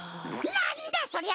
なんだそりゃ！